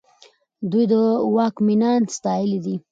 دوی د واک مينان ستايلي دي.